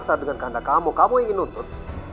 masa dengan keandaan kamu kamu ingin nuntut